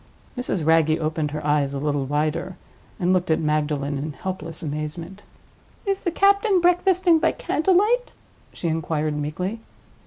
Mrs. Wragge opened her eyes a little wider, and looked at Magdalen in helpless amazement. "Is the captain breakfasting by candle light?" she inquired, meekly.